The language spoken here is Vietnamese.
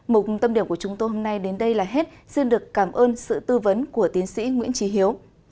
một tâm điểm của chúng tôi hôm nay đến đây là hết xin được cảm ơn sự tư vấn của tiến sĩ nguyễn trí hiếu